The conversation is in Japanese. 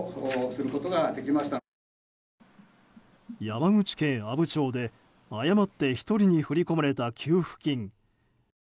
山口県阿武町で、誤って１人に振り込まれた給付金。